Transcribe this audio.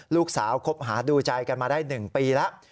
ลูกสาวคบหาดูใจกันมาได้๑ปีแล้ว